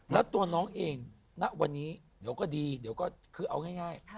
แล้วตัวน้องเองณวันนี้เดี๋ยวก็ดีเดี๋ยวก็คือเอาง่าย